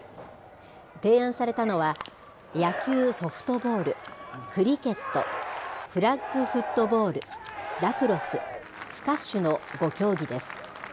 提案されたのは、野球・ソフトボール、クリケット、フラッグフットボール、ラクロス、スカッシュの５競技です。